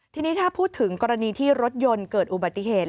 ทีนี้ถ้าพูดถึงกรณีที่รถยนต์เกิดอุบัติเหตุ